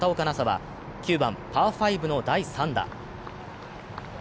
紗は９番・パー５の第３打。